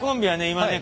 今ね